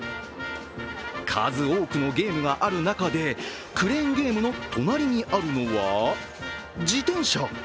数多くのゲームがある中で、クレーンゲームの隣にあるのは自転車。